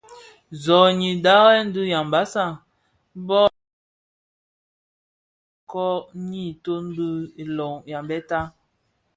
Zonйyi dharèn dhi Yambassa be a bokaka assalaKon=ňyi toň bil iloň Yambéta.